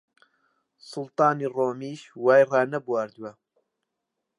سوڵتانی ڕۆمیش وای ڕانەبواردووە!